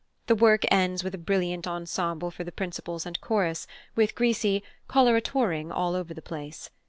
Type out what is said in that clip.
The work ends with a brilliant ensemble for the principals and chorus, with Grisi "coloraturing" all over the place.